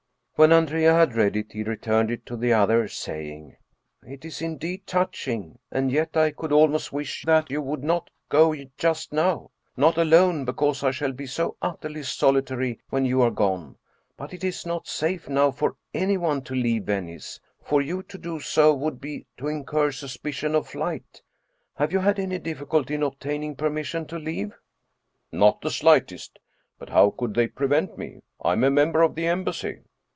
When Andrea had read it he returned it to the other, saying :" It is indeed touching, and yet I could almost wish that you would not go just now. Not alone because I shall be so utterly solitary when you are gone but it is not safe now for anyone to leave Venice. For you to do so would be to incur suspicion of flight. Have you had any difficulty in obtaining permission to leave ?"" Not the slightest. But how could they prevent me ? I am a member of the embassy."